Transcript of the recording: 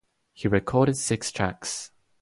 He recorded six tracks.